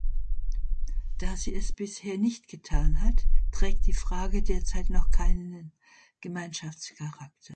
Da sie es bisher nicht getan hat, trägt die Frage derzeit noch keinen Gemeinschaftscharakter.